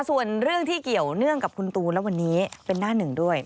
ส่วนเรื่องที่เกี่ยวเนื่องกับคุณตูนและวันนี้เป็นหน้าหนึ่งด้วย